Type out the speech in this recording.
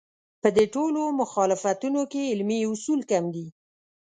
په دې ټولو مخالفتونو کې علمي اصول کم دي.